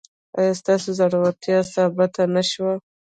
ایا ستاسو زړورتیا ثابته نه شوه؟